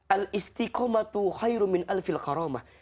alistiqomatu khairu min alfil karamah